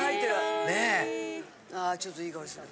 ああちょっといい香りする。